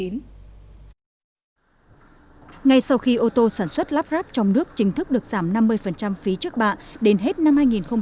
ngay sau khi ô tô sản xuất lắp ráp trong nước chính thức được giảm năm mươi phí trước bạ đến hết năm hai nghìn hai mươi